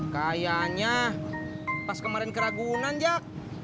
kayaknya pas kemarin keragunan jak